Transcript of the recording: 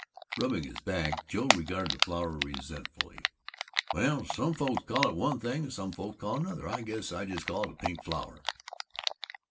Rubbing his back, Joe regarded the flower resentfully. "Well, some folks call it one thing and some calls it another I always just call it Pink Flower."